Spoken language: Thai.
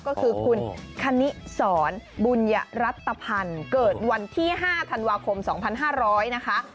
ก็คือคุณคณิสรบุญยรัตภัณฑ์เกิดวันที่๕ธันวาคม๒๕๐๐นะคะ